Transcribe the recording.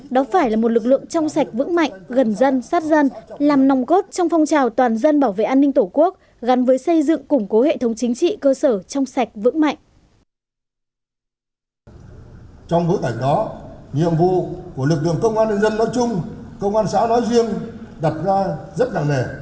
đó phải là một lực lượng trong sạch vững mạnh gần dân sát dân làm nòng cốt trong phong trào toàn dân bảo vệ an ninh tổ quốc gắn với xây dựng củng cố hệ thống chính trị cơ sở trong sạch vững mạnh